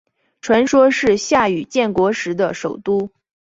传说是夏禹建国时的首都。